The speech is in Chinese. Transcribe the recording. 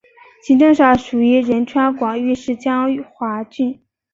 行政上属于仁川广域市江华郡。